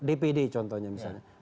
dpd contohnya misalnya